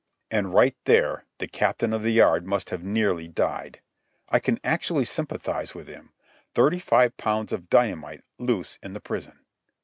And right there the Captain of the Yard must have nearly died. I can actually sympathize with him—thirty five pounds of dynamite loose in the prison.